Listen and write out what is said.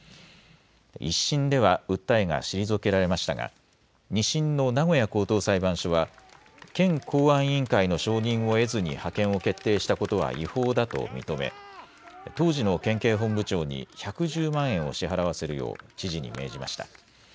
１審では訴えが退けられましたが、２審の名古屋高等裁判所は、県公安委員会の承認を得ずに派遣を決定したことは違法だと認め、当時の県警本部長に１１０万円を支払わせるよう、知事に命じました。